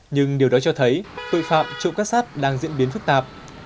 nhưng điều đó cho thấy tội phạm trộm cắp sát đang diễn biến phức tạp